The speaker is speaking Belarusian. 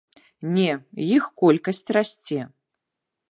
Не, іх колькасць расце.